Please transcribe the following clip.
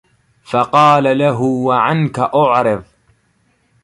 فَقَالَ لَهُ وَعَنْك أُعْرِضْ